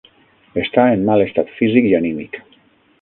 Està en mal estat físic i anímic.